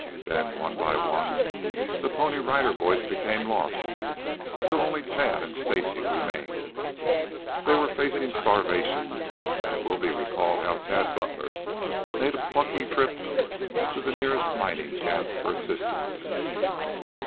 Then, one by one, the Pony Rider Boys became lost until only Tad and Stacy remained. They were facing starvation, and it will be recalled how Tad Butler made a plucky trip to the nearest mining camp for assistance.